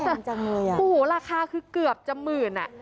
จังเลยอ่ะโอ้โหราคาคือเกือบจะหมื่นอ่ะ